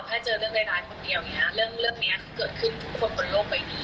เรื่องรายร้ายคนเดียวเนี่ยฮะเรื่องเรื่องเนี้ยก็เกิดขึ้นทุกคนบนโลกกว่านี้